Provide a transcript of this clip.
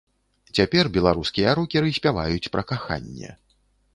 Цяпер беларускія рокеры спяваюць пра каханне.